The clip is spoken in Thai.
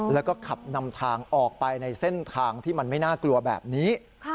แล้วก็ขับนำทางออกไปในเส้นทางที่มันไม่น่ากลัวแบบนี้